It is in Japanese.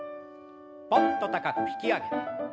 ぽんと高く引き上げて。